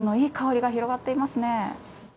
スパイスのいい香りが広がっていますね。